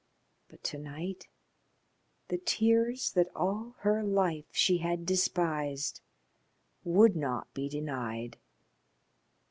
But to night the tears that all her life she had despised would not be denied.